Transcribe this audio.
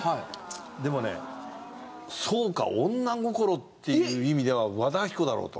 でもねそうか女心っていう意味では和田アキ子だろう！と。